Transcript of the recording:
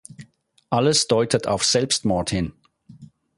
Alles deutet auf Selbstmord hin.